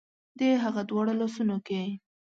د هغه دواړو لاسونو کې